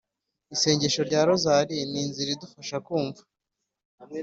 isengesho rya rozali ni inzira idufasha kumva